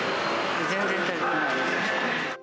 全然足りてないです。